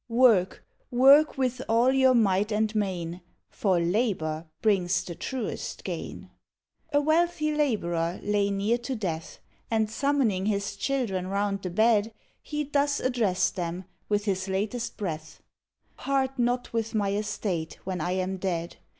Work, work, with all your might and main, For labour brings the truest gain. A wealthy Labourer lay near to death; And, summoning his children round the bed, He thus addressed them, with his latest breath: "Part not with my estate when I am dead.